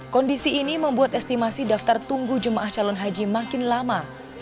kondisi ini membuat estimasi daftar tunggu jemaah calon haji makin lama